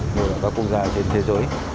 như là các quốc gia trên thế giới